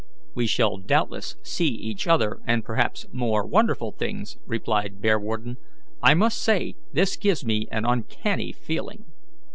"We shall doubtless see other and perhaps more wonderful things," replied Bearwarden. "I must say this gives me an uncanny feeling."